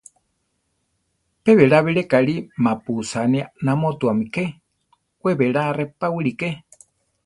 Pe belá bilé kalí mapu usáni anamótuami ké; we berá reʼpa wilíke.